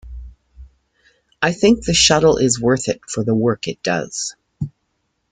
I think the Shuttle is worth it for the work it does.